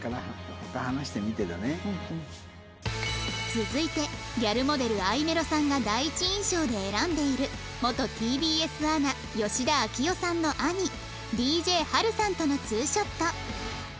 続いてギャルモデルあいめろさんが第一印象で選んでいる元 ＴＢＳ アナ吉田明世さんの兄 ＤＪＨＡＬ さんとのツーショット